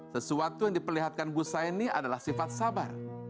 sesuatu yang diperlihatkan ibu saya ini adalah sifat sabar